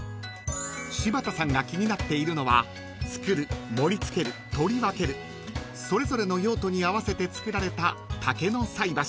［柴田さんが気になっているのは作る盛り付ける取り分けるそれぞれの用途に合わせて作られた竹の菜箸］